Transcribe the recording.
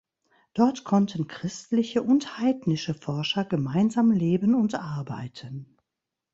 Dort konnten christliche und heidnische Forscher gemeinsam leben und arbeiten.